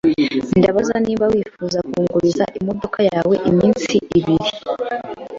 Ndabaza niba wifuza kunguriza imodoka yawe iminsi ibiri.